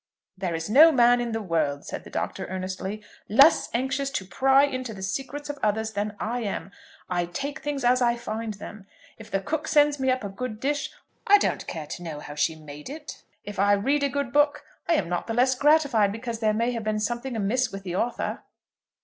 "There is no man in the world," said the Doctor, earnestly, "less anxious to pry into the secrets of others than I am. I take things as I find them. If the cook sends me up a good dish I don't care to know how she made it. If I read a good book, I am not the less gratified because there may have been something amiss with the author."